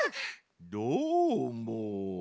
どーも。